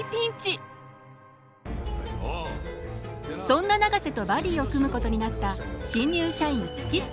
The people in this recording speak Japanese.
そんな永瀬とバディを組むことになった新入社員月下。